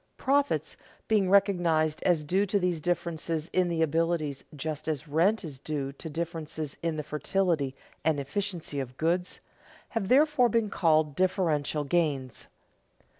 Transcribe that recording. Profits, being recognized as due to these differences in the abilities just as rent is due to differences in the fertility and efficiency of goods, have therefore been called differential gains.